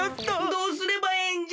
どうすればええんじゃ！